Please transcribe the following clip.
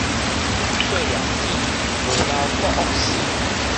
細粒子，袂老閣僫死